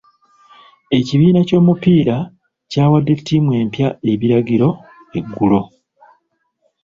Ekibiina ky'omupiira kyawadde ttiimu empya ebiragiro eggulo.